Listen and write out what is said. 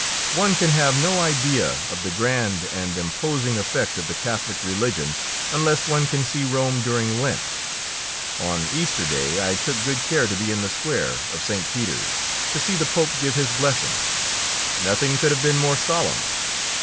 One can have no idea of the grand and imposing effect of the Catholic religion unless one can see Rome during Lent. On Easter Day I took good care to be in the square of St. Peter's to see the Pope give his blessing. Nothing could have been more solemn.